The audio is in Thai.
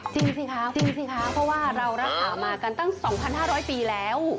จริงสิครับจริงสิคะเพราะว่าเรารักษามากันตั้ง๒๕๐๐ปีแล้ว